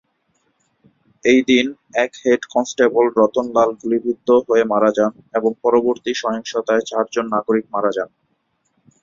এই দিন, এক হেড কনস্টেবল রতন লাল গুলিবিদ্ধ হয়ে মারা যান এবং পরবর্তী সহিংসতায় চারজন নাগরিক মারা যান।